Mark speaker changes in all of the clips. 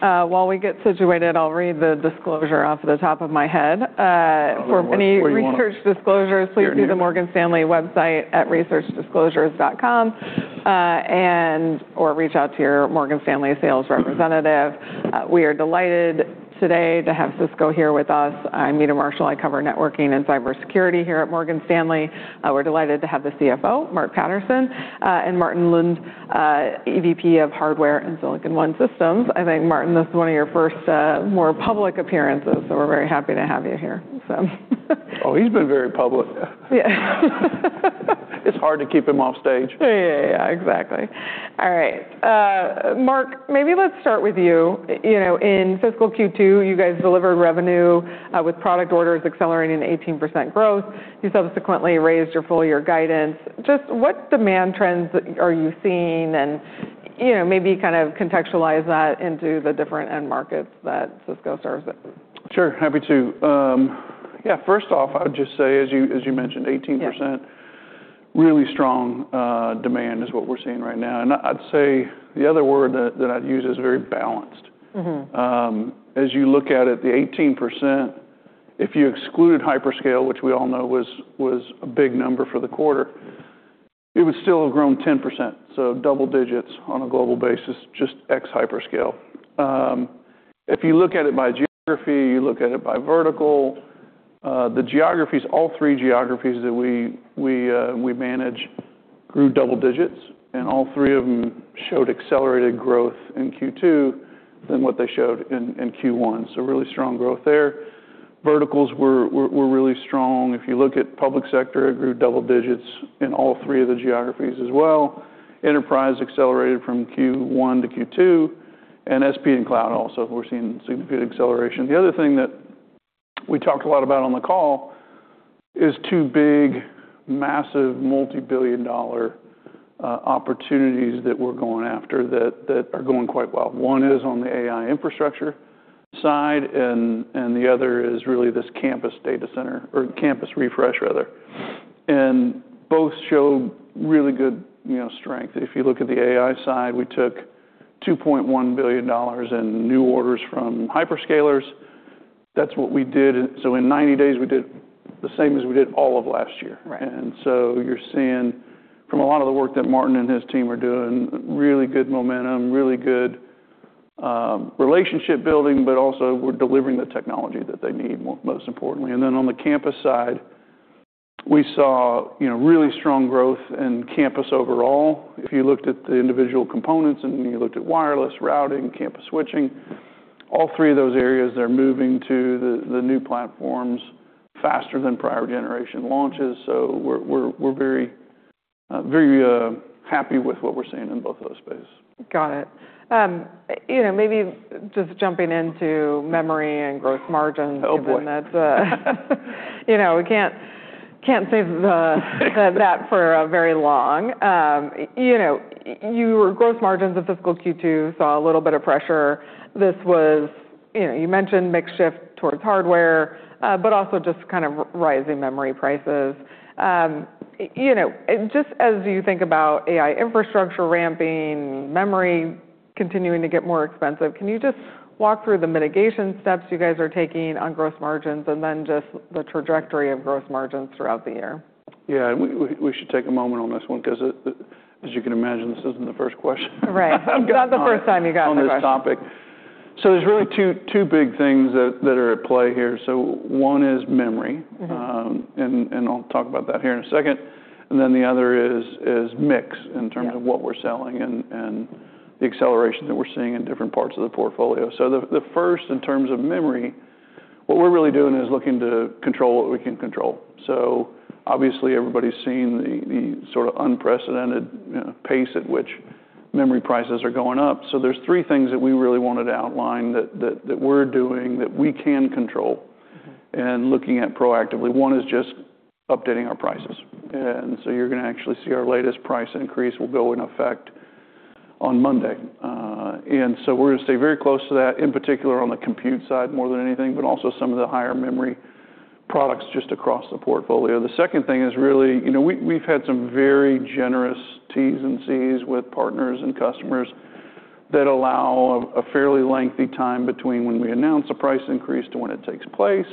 Speaker 1: While we get situated, I'll read the disclosure off of the top of my head.
Speaker 2: What do you want?
Speaker 1: For any research disclosures.
Speaker 2: Yeah, yeah.
Speaker 1: please see the Morgan Stanley website at researchdisclosures.com, and or reach out to your Morgan Stanley sales representative. We are delighted today to have Cisco here with us. I'm Meta Marshall. I cover networking and cybersecurity here at Morgan Stanley. We're delighted to have the CFO, Mark Patterson, and Martin Lund, EVP of Hardware and Silicon One Systems. I think, Martin, this is one of your first more public appearances, so we're very happy to have you here. So
Speaker 2: Oh, he's been very public.
Speaker 1: Yeah.
Speaker 2: It's hard to keep him off stage.
Speaker 1: Yeah. Exactly. All right. Mark, maybe let's start with you. You know, in fiscal Q2, you guys delivered revenue with product orders accelerating 18% growth. You subsequently raised your full year guidance. Just what demand trends are you seeing? You know, maybe kind of contextualize that into the different end markets that Cisco serves.
Speaker 2: Sure. Happy to. Yeah, first off, I would just say, as you mentioned, 18%.
Speaker 1: Yeah
Speaker 2: really strong, demand is what we're seeing right now. I'd say the other word that I'd use is very balanced.
Speaker 1: Mm-hmm.
Speaker 2: As you look at it, the 18%, if you exclude hyperscale, which we all know was a big number for the quarter, it would still have grown 10%, so double digits on a global basis, just ex hyperscale. If you look at it by geography, you look at it by vertical, the geographies, all three geographies that we manage grew double digits. All three of them showed accelerated growth in Q2 than what they showed in Q1. Really strong growth there. Verticals were really strong. If you look at public sector, it grew double digits in all three of the geographies as well. Enterprise accelerated from Q1 to Q2. SP and cloud also, we're seeing significant acceleration. The other thing that we talked a lot about on the call is two big, massive, multi-billion dollar opportunities that are going quite well. One is on the AI infrastructure side and the other is really this campus data center or campus refresh rather. Both show really good, you know, strength. If you look at the AI side, we took $2.1 billion in new orders from hyperscalers. That's what we did. In 90 days, we did the same as we did all of last year.
Speaker 1: Right.
Speaker 2: You're seeing from a lot of the work that Martin and his team are doing, really good momentum, really good relationship building, but also we're delivering the technology that they need most importantly. On the campus side, we saw, you know, really strong growth in campus overall. If you looked at the individual components and you looked at wireless, routing, campus switching, all three of those areas are moving to the new platforms faster than prior generation launches. We're very, very happy with what we're seeing in both of those spaces.
Speaker 1: Got it. You know, maybe just jumping into memory and growth margins.
Speaker 2: Oh, boy.
Speaker 1: That's, you know, we can't save that for very long. You know, you were growth margins of fiscal Q2, saw a little bit of pressure. This was, you know, you mentioned mix shift towards hardware, but also just kind of rising memory prices. You know, just as you think about AI infrastructure ramping, memory continuing to get more expensive, can you just walk through the mitigation steps you guys are taking on growth margins and then just the trajectory of growth margins throughout the year?
Speaker 2: Yeah. We should take a moment on this one because as you can imagine, this isn't the first question -
Speaker 1: Right. Not the first time you got that question.
Speaker 2: on this topic. There's really two big things that are at play here. One is memory.
Speaker 1: Mm-hmm.
Speaker 2: I'll talk about that here in a second. The other is mix in terms-
Speaker 1: Yeah
Speaker 2: of what we're selling and the acceleration that we're seeing in different parts of the portfolio. The first in terms of memory, what we're really doing is looking to control what we can control. Obviously, everybody's seen the sort of unprecedented, you know, pace at which memory prices are going up. There's three things that we really wanted to outline that we're doing, that we can control and looking at proactively. One is just updating our prices. You're going to actually see our latest price increase will go in effect on Monday. We're going to stay very close to that, in particular on the compute side more than anything, but also some of the higher memory products just across the portfolio. The second thing is really, you know, we've had some very generous Ts and Cs with partners and customers that allow a fairly lengthy time between when we announce a price increase to when it takes place,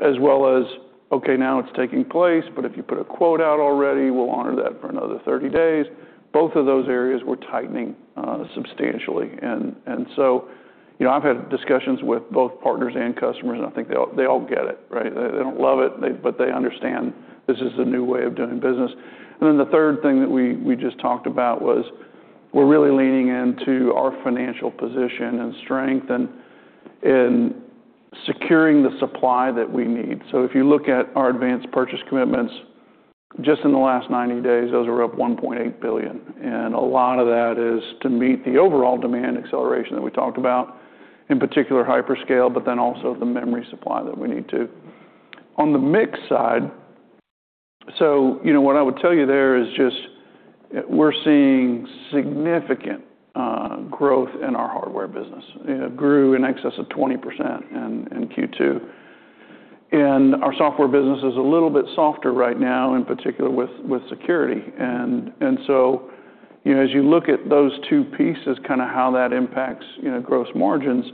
Speaker 2: as well as, okay, now it's taking place, but if you put a quote out already, we'll honor that for another 30 days. Both of those areas we're tightening substantially. You know, I've had discussions with both partners and customers, and I think they all get it, right? They don't love it, but they understand this is the new way of doing business. The third thing that we just talked about was we're really leaning into our financial position and strength in securing the supply that we need. If you look at our advanced purchase commitments, just in the last 90 days, those are up $1.8 billion, and a lot of that is to meet the overall demand acceleration that we talked about, in particular hyperscale, but then also the memory supply that we need too. On the mix side, you know, what I would tell you there is just we're seeing significant growth in our hardware business. It grew in excess of 20% in Q2. Our software business is a little bit softer right now, in particular with security. You know, as you look at those two pieces, kind of how that impacts, you know, gross margins,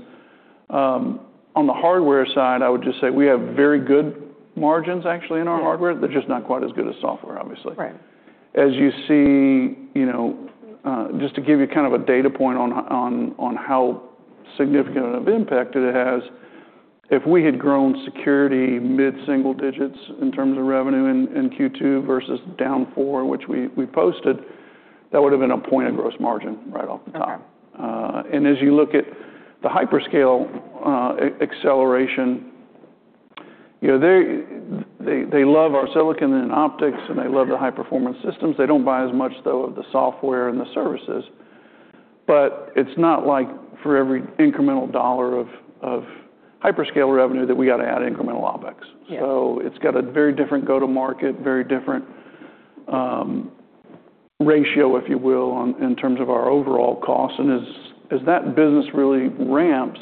Speaker 2: on the hardware side, I would just say we have very good margins actually in our hardware.
Speaker 1: Yeah.
Speaker 2: They're just not quite as good as software, obviously.
Speaker 1: Right.
Speaker 2: As you see, you know, just to give you kind of a data point on on how significant of impact it has, if we had grown security mid-single digits in terms of revenue in Q2 versus down 4%, which we posted, that would've been one point of gross margin right off the top.
Speaker 1: Okay.
Speaker 2: As you look at the hyperscale acceleration, you know, they love our silicon and optics and they love the high-performance systems. They don't buy as much though of the software and the services. It's not like for every incremental dollar of hyperscale revenue that we got to add incremental OpEx.
Speaker 1: Yeah.
Speaker 2: It's got a very different go-to-market, very different ratio, if you will, in terms of our overall cost. As that business really ramps,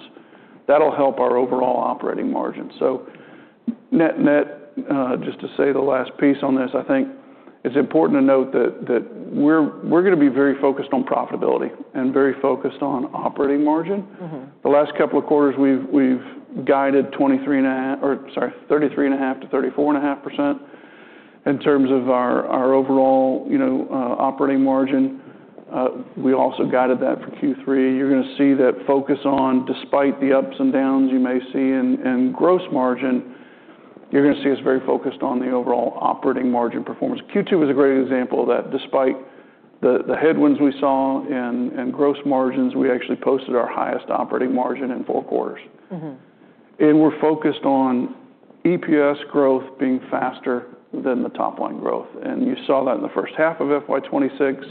Speaker 2: that'll help our overall operating margin. Net, net, just to say the last piece on this, I think it's important to note that we're going to be very focused on profitability and very focused on operating margin.
Speaker 1: Mm-hmm.
Speaker 2: The last couple of quarters we've guided 23 and a half, sorry, 33.5% to 34.5% in terms of our overall, you know, operating margin. We also guided that for Q3. You're going to see that focus on despite the ups and downs you may see in gross margin, you're going to see us very focused on the overall operating margin performance. Q2 is a great example of that. Despite the headwinds we saw in gross margins, we actually posted our highest operating margin in four quarters.
Speaker 1: Mm-hmm.
Speaker 2: We're focused on EPS growth being faster than the top line growth. You saw that in the first half of FY 2026.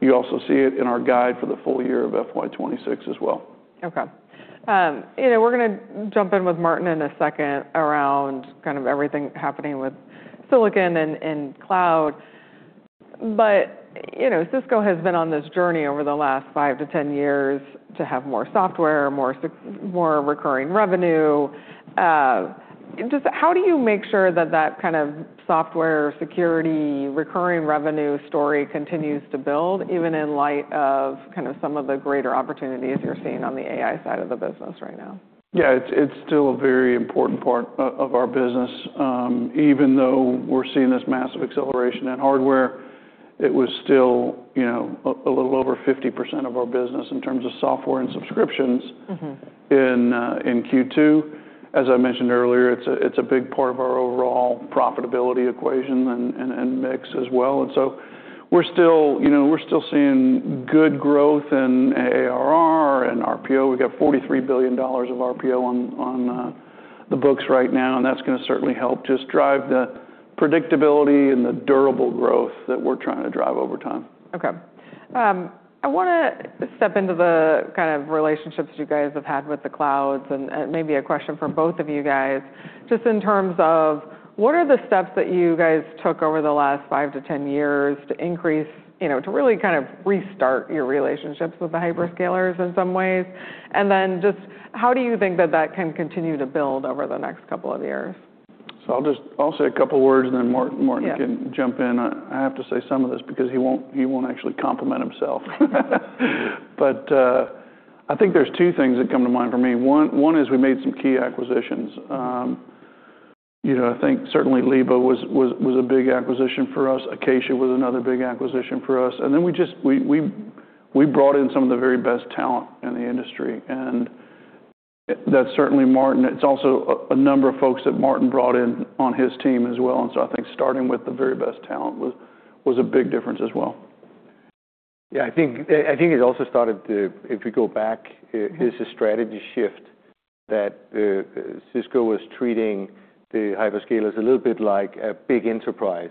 Speaker 2: You also see it in our guide for the full year of FY 2026 as well.
Speaker 1: you know, we're going to jump in with Martin in a second around kind of everything happening with silicon and Cloud. you know, Cisco has been on this journey over the last five to 10 years to have more software, more recurring revenue. Just how do you make sure that that kind of software security recurring revenue story continues to build, even in light of kind of some of the greater opportunities you're seeing on the AI side of the business right now?
Speaker 2: Yeah. It's still a very important part of our business. Even though we're seeing this massive acceleration in hardware, it was still, you know, a little over 50% of our business in terms of software and subscriptions.
Speaker 1: Mm-hmm
Speaker 2: in Q2. As I mentioned earlier, it's a big part of our overall profitability equation and mix as well. We're still, you know, we're still seeing good growth in ARR and RPO. We've got $43 billion of RPO on the books right now, and that's going to certainly help just drive the predictability and the durable growth that we're trying to drive over time.
Speaker 1: Okay. I want to step into the kind of relationships you guys have had with the clouds, maybe a question for both of you guys, just in terms of what are the steps that you guys took over the last five to 10 years to increase, you know, to really kind of restart your relationships with the hyperscalers in some ways? Just how do you think that that can continue to build over the next two years?
Speaker 2: I'll just I'll say a couple words and then Martin.
Speaker 1: Yeah
Speaker 2: can jump in. I have to say some of this because he won't, he won't actually compliment himself. I think there's two things that come to mind for me. One is we made some key acquisitions. You know, I think certainly Leaba was a big acquisition for us. Acacia was another big acquisition for us. Then we just brought in some of the very best talent in the industry. That's certainly Martin. It's also a number of folks that Martin brought in on his team as well. So I think starting with the very best talent was a big difference as well.
Speaker 3: Yeah, I think it also started to, if you go back-
Speaker 1: Mm-hmm
Speaker 3: it is a strategy shift that Cisco was treating the hyperscalers a little bit like a big enterprise.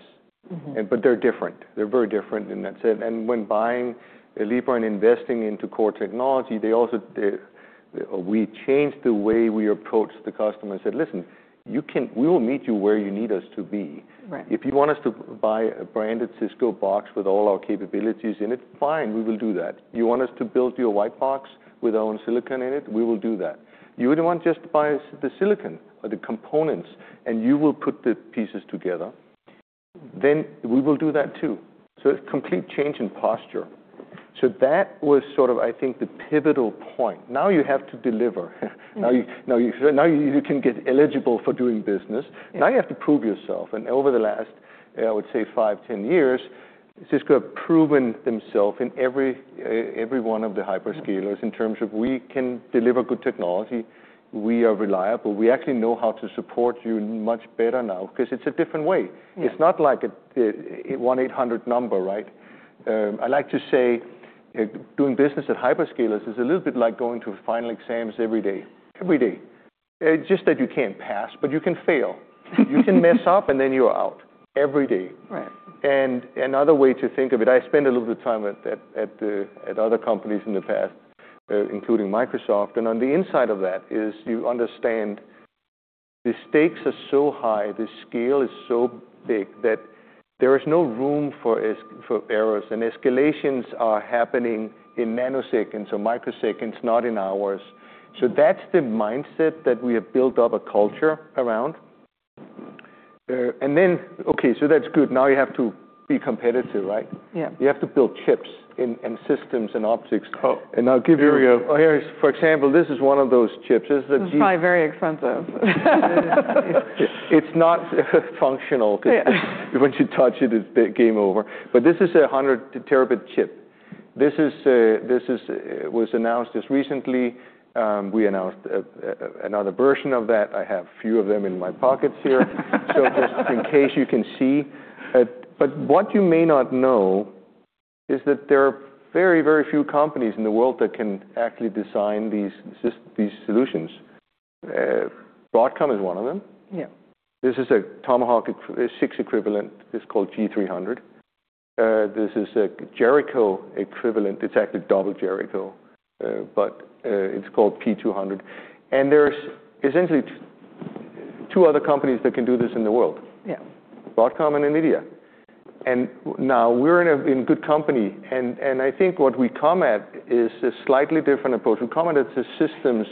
Speaker 1: Mm-hmm.
Speaker 3: They're different. They're very different in that sense. When buying a Leaba and investing into core technology, they also, we changed the way we approached the customer and said, "Listen, you can. We will meet you where you need us to be.
Speaker 1: Right.
Speaker 3: If you want us to buy a branded Cisco box with all our capabilities in it, fine, we will do that. You want us to build you a white box with our own silicon in it, we will do that. You would want just to buy the silicon or the components, and you will put the pieces together, then we will do that too." A complete change in posture. That was sort of, I think, the pivotal point. Now you have to deliver.
Speaker 1: Mm-hmm.
Speaker 3: Now you can get eligible for doing business.
Speaker 1: Yeah.
Speaker 3: Now you have to prove yourself. Over the last, I would say five, 10 years, Cisco have proven themself in every one of the hyperscalers-
Speaker 1: Mm-hmm
Speaker 3: in terms of we can deliver good technology, we are reliable, we actually know how to support you much better now 'cause it's a different way.
Speaker 1: Yeah.
Speaker 3: It's not like a 1-800 number, right? I like to say, doing business at hyperscalers is a little bit like going to final exams every day. Every day. Just that you can't pass, but you can fail. You can mess up and then you're out, every day.
Speaker 1: Right.
Speaker 3: Another way to think of it, I spent a little bit of time at other companies in the past, including Microsoft, and on the inside of that is you understand the stakes are so high, the scale is so big that. There is no room for errors, and escalations are happening in nanoseconds or microseconds, not in hours. That's the mindset that we have built up a culture around. Okay, that's good. Now you have to be competitive, right?
Speaker 1: Yeah.
Speaker 3: You have to build chips and systems and optics.
Speaker 1: Oh.
Speaker 3: I'll give
Speaker 1: There we go.
Speaker 3: Oh, For example, this is one of those chips. This is a G200.
Speaker 1: This is probably very expensive.
Speaker 3: It's not functional.
Speaker 1: Yeah.
Speaker 3: Once you touch it's game over. This is a hundred terabit chip. This was announced just recently. We announced another version of that. I have few of them in my pockets here. Just in case you can see. What you may not know is that there are very, very few companies in the world that can actually design these solutions. Broadcom is one of them.
Speaker 1: Yeah.
Speaker 3: This is a Tomahawk 6 equivalent. It's called G200. This is a Jericho equivalent. It's actually double Jericho, but it's called P200. There's essentially two other companies that can do this in the world.
Speaker 1: Yeah.
Speaker 3: Broadcom and NVIDIA. Now we're in good company. I think what we come at is a slightly different approach. We come at it as systems,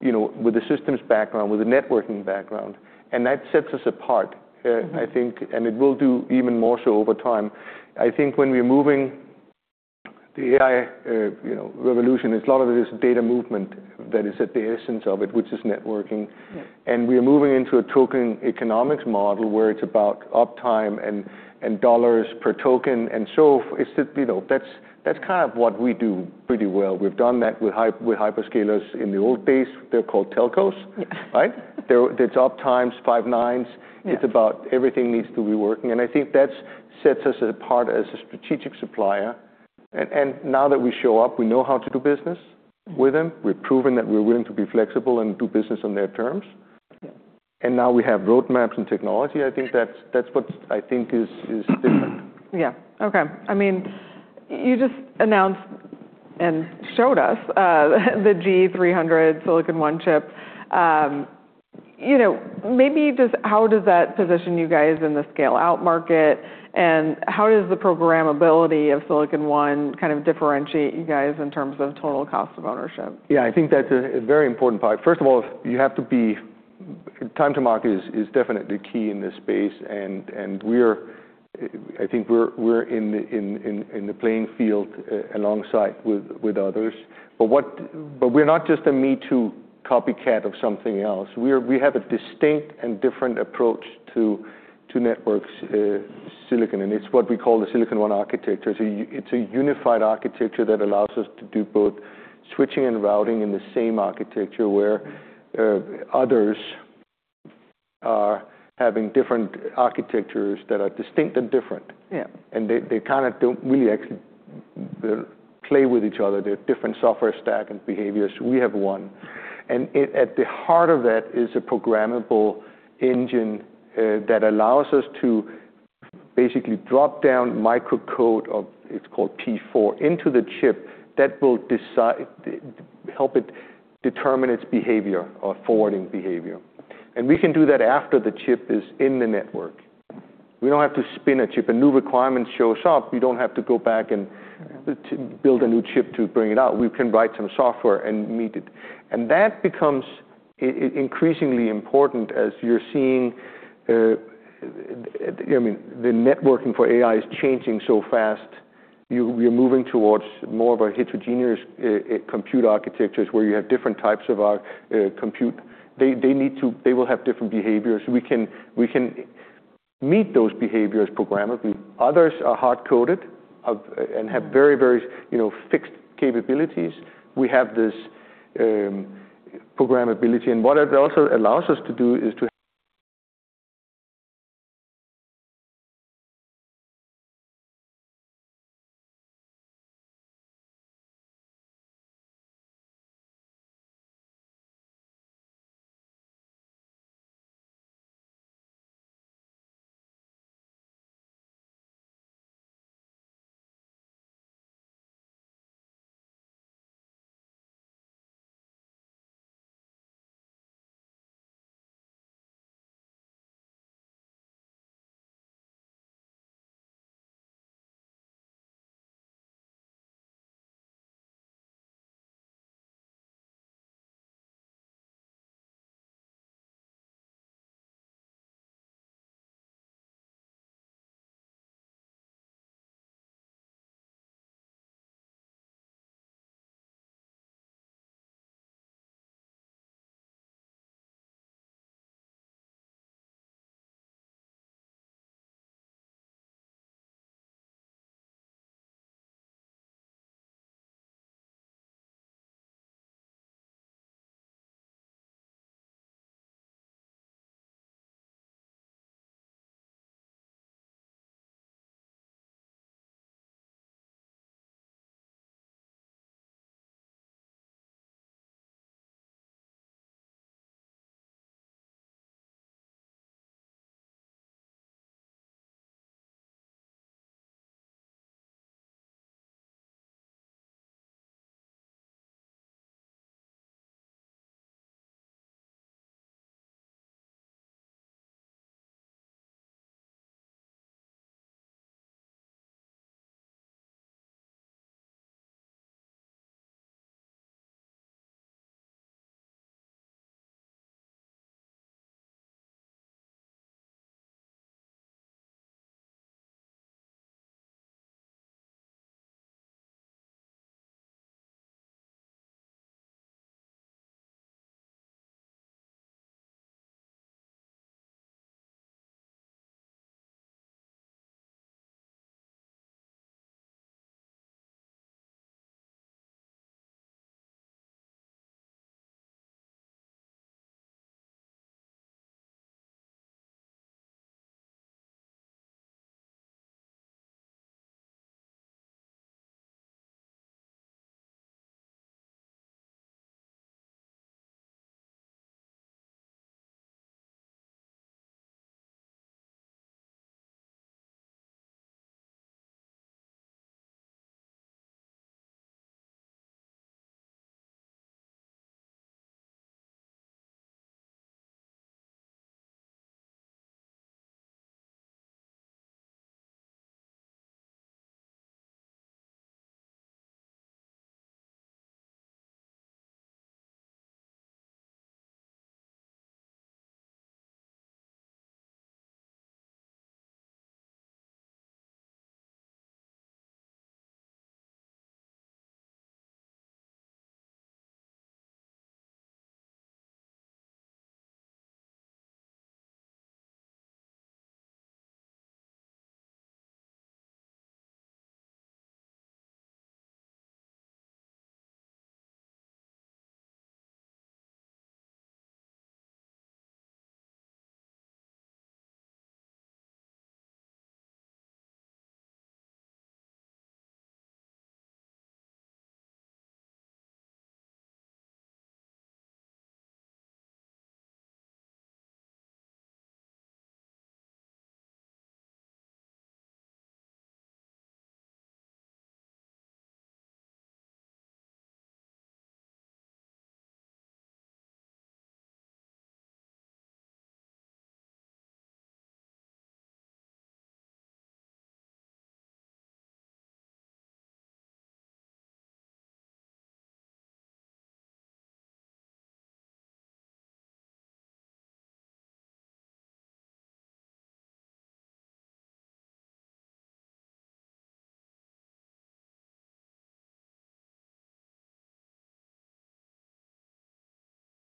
Speaker 3: you know, with a systems background, with a networking background, and that sets us apart, I think, and it will do even more so over time. I think when we're moving the AI, you know, revolution, it's a lot of it is data movement that is at the essence of it, which is networking.
Speaker 1: Yeah.
Speaker 3: We are moving into a token economics model where it's about uptime and dollars per token. It's, you know, that's kind of what we do pretty well. We've done that with hyperscalers in the old days. They're called telcos.
Speaker 1: Yeah.
Speaker 3: Right? Their top times, five nines.
Speaker 1: Yeah.
Speaker 3: It's about everything needs to be working. I think that sets us apart as a strategic supplier. Now that we show up, we know how to do business with them. We've proven that we're willing to be flexible and do business on their terms.
Speaker 1: Yeah.
Speaker 3: Now we have roadmaps and technology. I think that's what I think is different.
Speaker 1: Yeah. Okay. I mean, you just announced and showed us, the G200 Silicon One chip. You know, maybe just how does that position you guys in the scale-out market, and how does the programmability of Silicon One kind of differentiate you guys in terms of total cost of ownership?
Speaker 3: Yeah, I think that's a very important part. First of all, Time to market is definitely key in this space, and we're, I think we're in the playing field alongside with others. We're not just a me-too copycat of something else. We have a distinct and different approach to networks, silicon, and it's what we call the Silicon One architecture. It's a unified architecture that allows us to do both switching and routing in the same architecture where others are having different architectures that are distinct and different.
Speaker 1: Yeah.
Speaker 3: They, they kind of don't really actually play with each other. They're different software stack and behaviors. We have one. At the heart of that is a programmable engine that allows us to basically drop down microcode of, it's called P4, into the chip that will help it determine its behavior or forwarding behavior. We can do that after the chip is in the network. We don't have to spin a chip. A new requirement shows up, we don't have to go back and build a new chip to bring it out. We can write some software and meet it. That becomes increasingly important as you're seeing, I mean, the networking for AI is changing so fast. We are moving towards more of a heterogeneous compute architectures where you have different types of compute. They will have different behaviors. We can meet those behaviors programmably. Others are hard-coded of, and have very, you know, fixed capabilities. We have this programmability, and what it also allows us to do.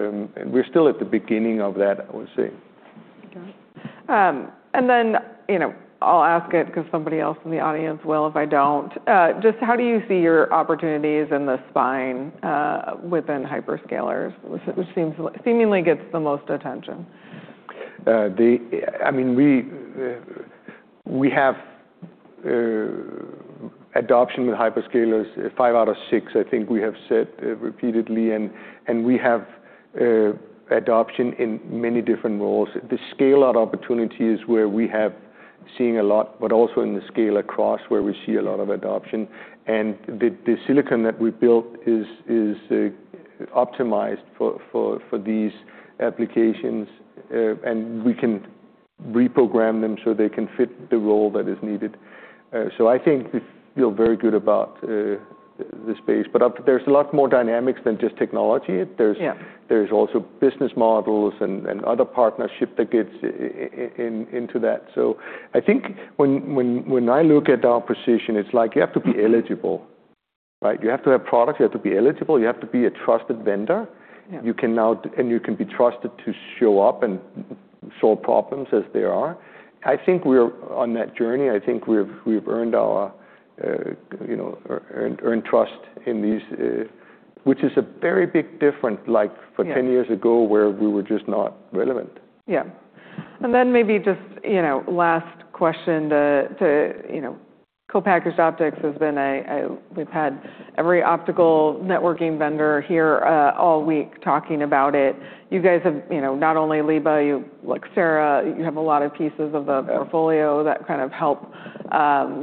Speaker 3: We're still at the beginning of that, I would say.
Speaker 1: Okay. You know, I'll ask it 'cause somebody else in the audience will if I don't. Just how do you see your opportunities in the spine, within hyperscalers? Which seemingly gets the most attention.
Speaker 3: The, I mean, we have adoption with hyperscalers, five out of six, I think we have said repeatedly, and we have adoption in many different roles. The scale-out opportunity is where we have seen a lot, but also in the scale-across where we see a lot of adoption. The silicon that we built is optimized for these applications, and we can reprogram them, so they can fit the role that is needed. I think we feel very good about the space. There's a lot more dynamics than just technology.
Speaker 1: Yeah.
Speaker 3: There's also business models and other partnership that gets into that. I think when I look at our position, it's like you have to be eligible, right? You have to have products, you have to be eligible, you have to be a trusted vendor.
Speaker 1: Yeah.
Speaker 3: You can be trusted to show up and solve problems as they are. I think we're on that journey. I think we've earned our, you know, earned trust in these.. Which is a very big difference, like...
Speaker 1: Yeah
Speaker 3: for 10 years ago, where we were just not relevant.
Speaker 1: Yeah. Then maybe just, you know, last question to, you know, co-packaged optics has been, we've had every optical networking vendor here, all week talking about it. You guys have, you know, not only Leaba, Luxtera, you have a lot of pieces of the.
Speaker 3: Yeah
Speaker 1: portfolio that kind of help.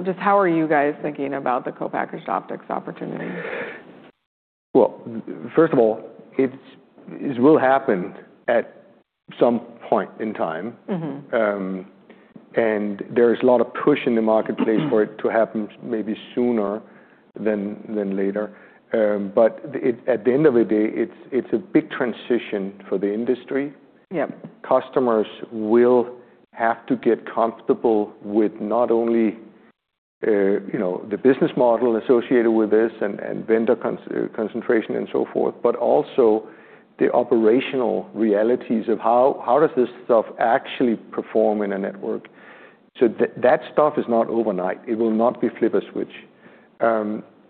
Speaker 1: Just how are you guys thinking about the co-packaged optics opportunity?
Speaker 3: Well, first of all, it will happen at some point in time.
Speaker 1: Mm-hmm.
Speaker 3: There is a lot of push in the marketplace for it to happen maybe sooner than later. At the end of the day, it's a big transition for the industry.
Speaker 1: Yeah.
Speaker 3: Customers will have to get comfortable with not only, you know, the business model associated with this and vendor concentration and so forth, but also the operational realities of how does this stuff actually perform in a network. That stuff is not overnight. It will not be flip a switch.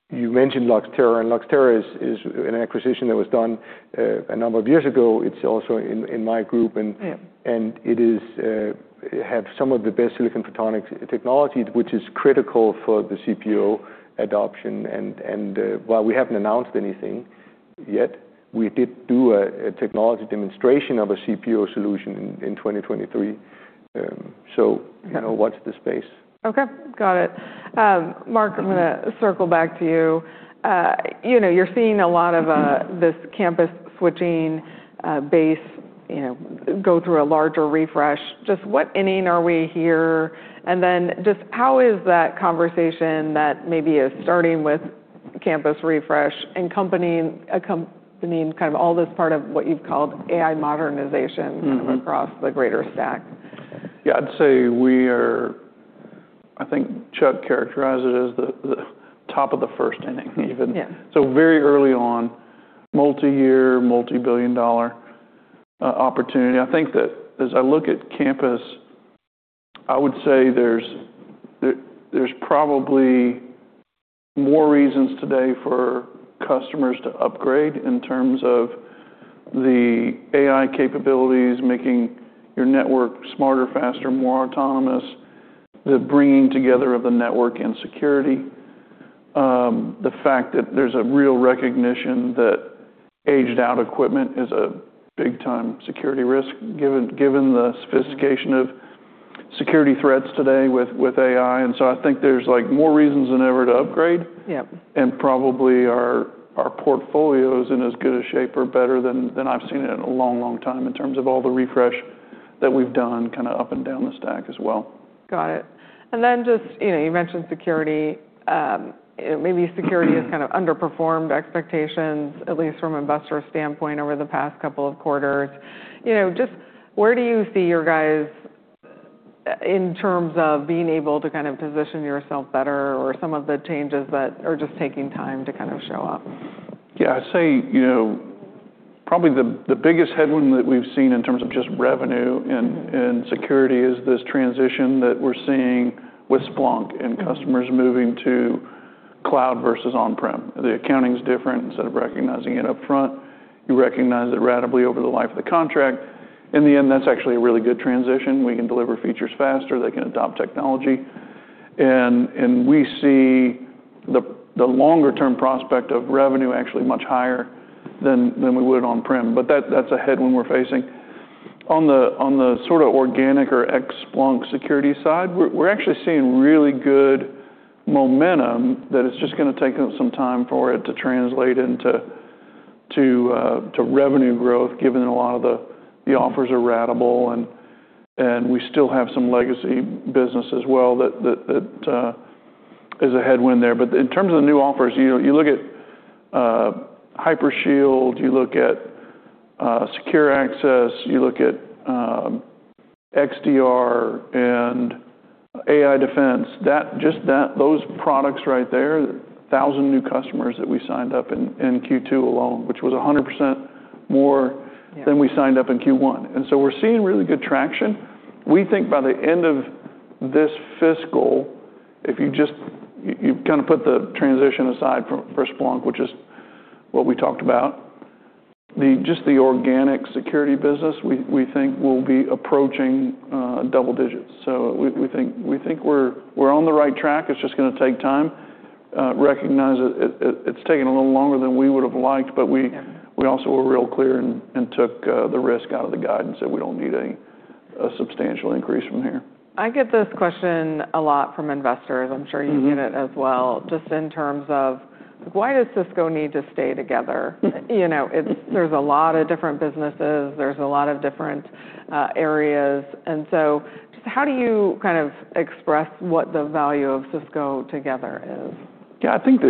Speaker 3: You mentioned Luxtera, and Luxtera is an acquisition that was done a number of years ago. It's also in my group and-
Speaker 1: Yeah
Speaker 3: and it is, have some of the best silicon photonics technology, which is critical for the CPO adoption. And, while we haven't announced anything yet, we did do a technology demonstration of a CPO solution in 2023.
Speaker 2: kind of watch the space.
Speaker 1: Okay, got it. Mark, I'm going to circle back to you. You know, you're seeing a lot of, this campus switching, base, you know, go through a larger refresh. Just what inning are we here? Just how is that conversation that maybe is starting with campus refresh and accompanying kind of all this part of what you've called AI modernization.
Speaker 2: Mm-hmm.
Speaker 1: kind of across the greater stack?
Speaker 2: Yeah, I'd say I think Chuck characterized it as the top of the first inning even.
Speaker 1: Yeah.
Speaker 2: Very early on, multi-year, multi-billion dollar opportunity. I think that as I look at campus, I would say there's probably more reasons today for customers to upgrade in terms of the AI capabilities making your network smarter, faster, more autonomous, the bringing together of the network and security, the fact that there's a real recognition that aged-out equipment is a big time security risk given the sophistication of security threats today with AI. I think there's like more reasons than ever to upgrade.
Speaker 1: Yep.
Speaker 2: Probably our portfolio is in as good a shape or better than I've seen it in a long, long time in terms of all the refresh that we've done kind of up and down the stack as well.
Speaker 1: Got it. Just, you know, you mentioned security. Maybe security has kind of underperformed expectations, at least from investor standpoint over the past couple of quarters. You know, just where do you see your guys, in terms of being able to kind of position yourself better or some of the changes that are just taking time to kind of show up?
Speaker 2: Yeah. I'd say, you know, probably the biggest headwind that we've seen in terms of just revenue and security is this transition that we're seeing with Splunk and customers moving to cloud versus on-prem. The accounting's different. Instead of recognizing it upfront, you recognize it ratably over the life of the contract. In the end, that's actually a really good transition. We can deliver features faster, they can adopt technology, and we see the longer term prospect of revenue actually much higher than we would on-prem. That's a headwind we're facing. On the sort of organic or ex-Splunk security side, we're actually seeing really good momentum that it's just going to take some time for it to translate into revenue growth, given a lot of the offers are ratable and we still have some legacy business as well that is a headwind there. In terms of the new offers, you know, you look at Hypershield, you look at Secure Access, you look at XDR and AI Defense, just that, those products right there, 1,000 new customers that we signed up in Q2 alone, which was 100% more.
Speaker 1: Yeah.
Speaker 2: than we signed up in Q1. We're seeing really good traction. We think by the end of this fiscal, if you kind of put the transition aside for Splunk, which is what we talked about, just the organic security business, we think will be approaching double digits. We think we're on the right track. It's just going to take time. Recognize it's taking a little longer than we would've liked, but we-
Speaker 1: Yeah.
Speaker 2: We also were real clear and took the risk out of the guidance that we don't need a substantial increase from here.
Speaker 1: I get this question a lot from investors. I'm sure you get it as well.
Speaker 2: Mm-hmm.
Speaker 1: Just in terms of why does Cisco need to stay together? You know, it's, there's a lot of different businesses, there's a lot of different, areas. Just how do you kind of express what the value of Cisco together is?
Speaker 2: Yeah, I think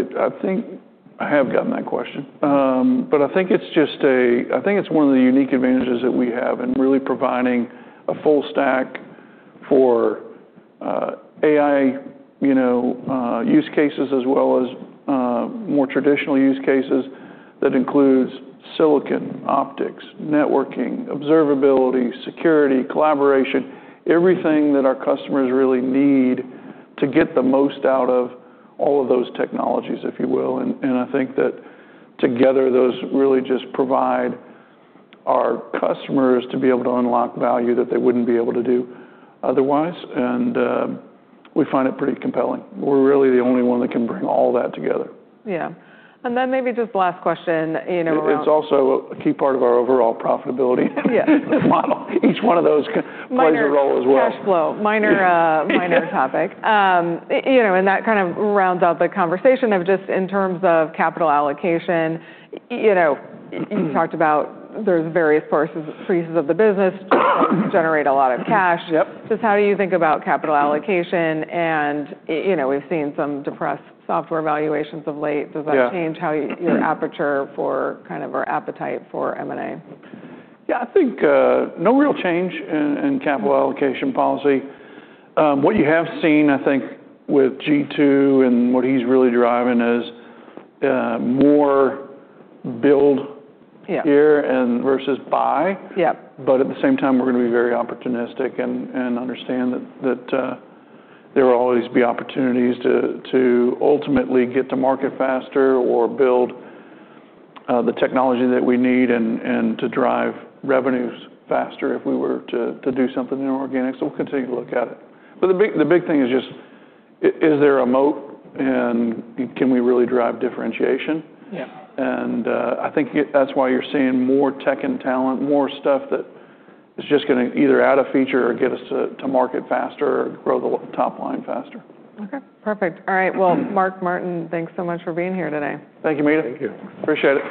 Speaker 2: I have gotten that question. But I think it's just I think it's one of the unique advantages that we have in really providing a full stack for AI, you know, use cases as well as more traditional use cases that includes silicon, optics, networking, observability, security, collaboration, everything that our customers really need to get the most out of all of those technologies, if you will. I think that together, those really just provide our customers to be able to unlock value that they wouldn't be able to do otherwise, we find it pretty compelling. We're really the only one that can bring all that together.
Speaker 1: Yeah. maybe just last question, you know.
Speaker 2: It's also a key part of our overall profitability.
Speaker 1: Yeah.
Speaker 2: Each one of those plays a role as well.
Speaker 1: Cash flow. Minor topic. You know, that kind of rounds out the conversation of just in terms of capital allocation, you know, you talked about there's various parts, pieces of the business generate a lot of cash.
Speaker 2: Yep.
Speaker 1: Just how do you think about capital allocation and, you know, we've seen some depressed software valuations of late?
Speaker 2: Yeah.
Speaker 1: Does that change how your aperture for kind of our appetite for M&A?
Speaker 2: Yeah. I think, no real change in capital allocation policy. What you have seen, I think, with G2 and what he's really driving is, more.
Speaker 1: Yeah.
Speaker 2: -here and versus buy.
Speaker 1: Yep.
Speaker 2: At the same time, we're going to be very opportunistic and understand that there will always be opportunities to ultimately get to market faster or build the technology that we need and to drive revenues faster if we were to do something inorganic. We'll continue to look at it. The big thing is just is there a moat and can we really drive differentiation?
Speaker 1: Yeah.
Speaker 2: I think that's why you're seeing more tech and talent, more stuff that is just going to either add a feature or get us to market faster or grow the top line faster.
Speaker 1: Okay. Perfect. All right. Well, Mark Martin, thanks so much for being here today.
Speaker 2: Thank you, Meta Marshall. Thank you. Appreciate it.